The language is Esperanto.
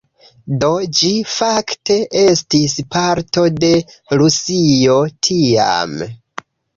Do, ĝi fakte estis parto de Rusio tiam